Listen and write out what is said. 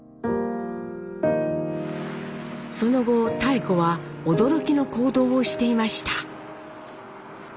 その後妙子は驚きの行動をしていました。